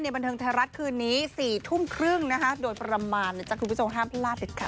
ในบันเทิงเทศรัฐคืนนี้๔๓๐นโดยประมาณจากคุณผู้ชมห้ามลาเสร็จค่ะ